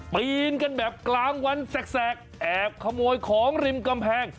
ปีนกันแบบกลางวันแสกแอบขโมยของริมกำแพง